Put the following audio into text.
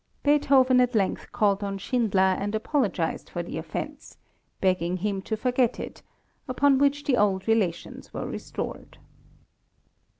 Beethoven at length called on Schindler and apologized for the offence, begging him to forget it, upon which the old relations were restored.